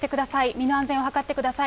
身の安全を図ってください。